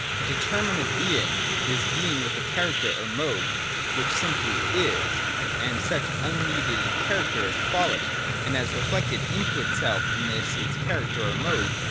7 90.j (a) [Determinate Being is Being with a character or mode — which simply is ; and such un mediated character is Quality^ And as reflected into itself in this its character or mode.